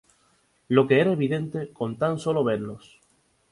Lo que era evidente con tan sólo verlos.